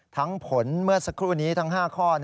ทั้งผลเมื่อสักครู่นี้ทั้ง๕ข้อ